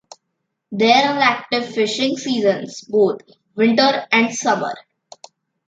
There are active fishing seasons, both winter and summer.